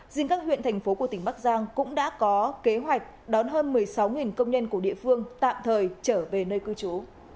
riêng các huyện thành phố của tỉnh bắc giang cũng đã có kế hoạch đón hơn một mươi sáu công nhân của địa phương tạm thời trở về nơi cư trú